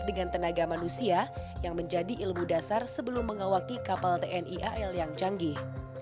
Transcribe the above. dan tenaga manusia yang menjadi ilmu dasar sebelum mengawaki kapal tni al yang canggih